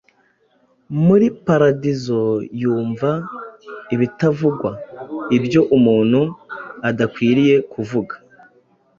muri Paradizo, yumva ibitavugwa, ibyo umuntu adakwiriye kuvuga